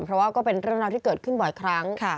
เพราะว่าก็เป็นเรื่องราวที่เกิดขึ้นบ่อยครั้ง